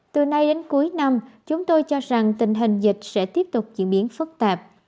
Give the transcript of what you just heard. từ nay đến cuối năm chúng tôi cho rằng tình hình dịch sẽ tiếp tục diễn biến phức tạp